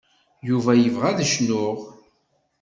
Yuba yebɣa ad cnuɣ.